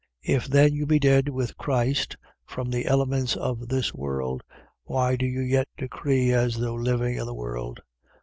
2:20. If then you be dead with Christ from the elements of this world, why do you yet decree as though living in the world?